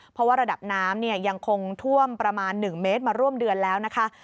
เพราะว่าระดับน้ำยังคงท่วมประมาณ๑เมตรมาร่วมเดือนแล้วนะคะ